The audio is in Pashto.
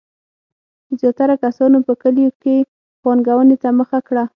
زیاتره کسانو په کلیو کې پانګونې ته مخه کړه.